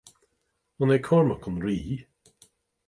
An é Cormac an rí?